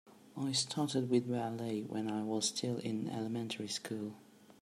I started with ballet when I was still in elementary school.